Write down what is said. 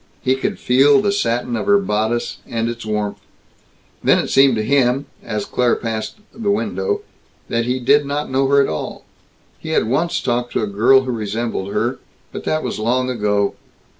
He could feel the satin of her bodice and its warmth. Then it seemed to him, as Claire again passed the window, that he did not know her at all. He had once talked to a girl who resembled her, but that was long ago.